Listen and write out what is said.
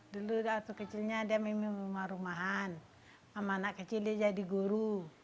dulu waktu kecilnya dia meminum rumah rumahan sama anak kecil dia jadi guru